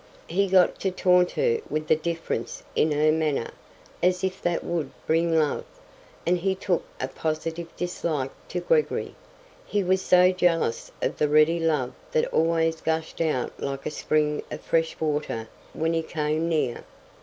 He got to taunt her with the difference in her manner, as if that would bring love: and he took a positive dislike to Gregory,—he was so jealous of the ready love that always gushed out like a spring of fresh water when he came near.